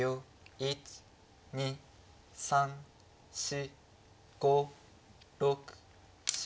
１２３４５６７。